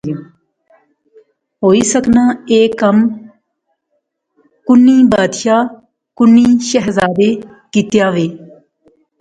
ہوئی سکنا کہ ایہہ کم کُنی بادشاہ، کنی شہزادے کیتیا وہے